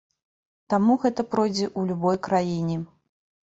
Таму гэта пройдзе ў любой краіне.